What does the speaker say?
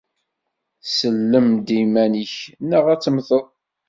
Sellem-d iman-nnek neɣ ad temmteḍ!